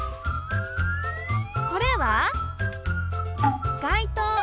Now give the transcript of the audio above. これは外灯。